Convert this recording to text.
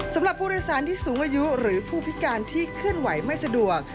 สำหรับผู้โดยสารที่สูงอายุหรือผู้พิการที่เคลื่อนไหวไม่สะดวก